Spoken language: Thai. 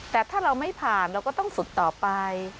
แต่ถ้าเราไม่ผ่านเราก็ต้องฝึกต่อไป